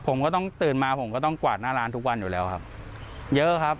ผมก็ต้องตื่นมาผมก็ต้องกวาดหน้าร้านทุกวันอยู่แล้วครับเยอะครับ